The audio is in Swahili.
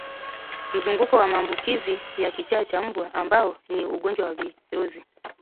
mzunguko wa maambukizi ya kichaa cha mbwa ambao ni ugonjwa wa virusi